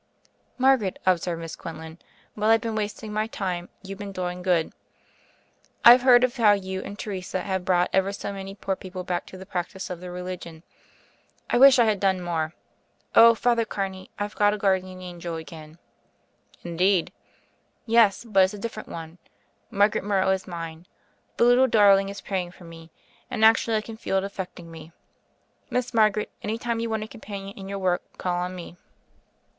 "Margaret," observed Miss Quinlan, "while I've been wasting my time youVe been doing good. I've heard of how you and Teresa have brought ever so many poor people back to the practice of their religion. I wish I had done more. Oh, Father Carney, I've got a guardian angel again I" "Indeed?" "Yes; but it's a different one. Margaret Morrow is mine. The little darling is praying for me; and actually I can feel it effecting me. Miss Margaret, any time you want a com panion in your work, call on me."